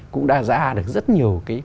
cũng đã ra được rất nhiều cái quyết sách của đảng